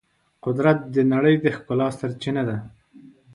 قدرت د نړۍ د ښکلا سرچینه ده.